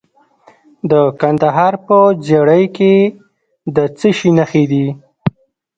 د کندهار په ژیړۍ کې د څه شي نښې دي؟